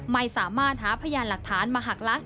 ไม่สามารถหาพยานหลักฐานมาหักล้าง